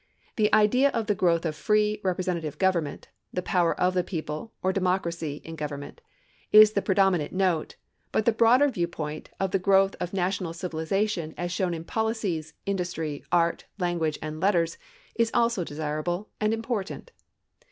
The idea of the growth of free, representative government (the power of the people, or democracy, in government) is the predominant note, but the broader viewpoint of the growth of national civilization as shown in policies, industry, art, language and letters is also desirable and important.